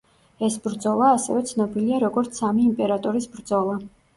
ეს ბრძოლა, ასევე, ცნობილია, როგორც სამი იმპერატორის ბრძოლა.